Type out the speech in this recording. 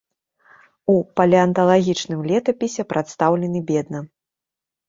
У палеанталагічным летапісе прадстаўлены бедна.